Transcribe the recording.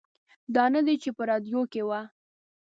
دا نه دی چې په راډیو کې و.